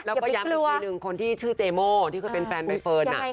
แล้วก็ย้ำอีกทีหนึ่งคนที่ชื่อเจโม่ที่เคยเป็นแฟนใบเฟิร์น